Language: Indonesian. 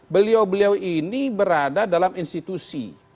beliau beliau ini berada dalam institusi